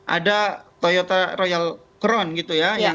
ada toyota royal crown gitu ya